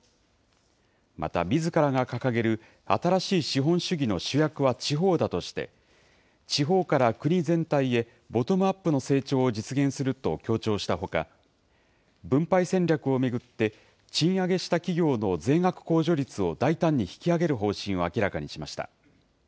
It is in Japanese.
またみずからが掲げる新しい資本主義の主役は地方だとして、地方から国全体へボトムアップの成長を実現すると強調したほか、分配戦略を巡って、賃上げした企業の税額控除率を大胆に引き上げる方針を明らかにしました。